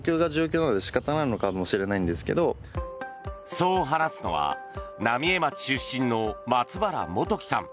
そう話すのは浪江町出身の松原幹さん。